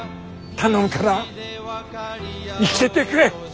頼むから生きててくれ。